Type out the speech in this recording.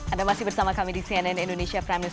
anda masih bersama kami di cnn indonesia prime news